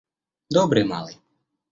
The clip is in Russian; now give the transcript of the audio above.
Добрый малый.